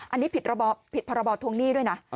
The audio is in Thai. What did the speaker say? อันนี้ผิดระบอบผิดภาระบอบทวงหนี้ด้วยนะ